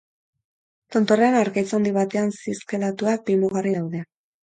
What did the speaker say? Tontorrean, harkaitz handi batean zizelkatuak, bi mugarri daude.